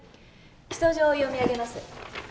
起訴状を読み上げます。